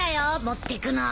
持ってくの。